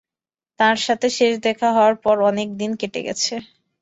তার সাথে শেষ দেখা হওয়ার পর অনেক দিন কেটে গেছে।